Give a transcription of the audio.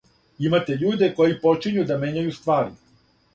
Имате људе који почињу да мењају ствари.